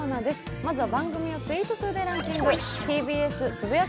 まずは番組をツイート数でランキング。